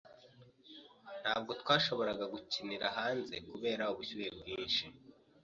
Ntabwo twashoboraga gukinira hanze kubera ubushyuhe bwinshi.